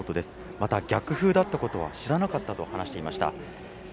また、逆風だったことは知らなかったと話していました。